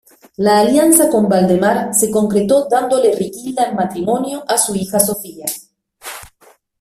La alianza con Valdemar se concretó dándole Riquilda en matrimonio a su hija Sofía.